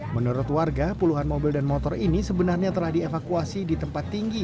menurut warga puluhan mobil dan motor ini sebenarnya telah dievakuasi di tempat tinggi